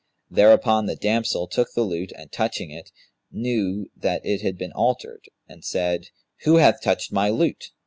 Thereupon the damsel took the lute and touching it, knew that it had been altered, and said, 'Who hath touched my lute?'